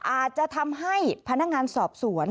อาจจะทำให้พนักงานสอบสวน